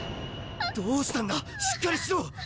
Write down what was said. どうしたんだしっかりしろ！